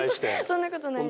そんなことないです。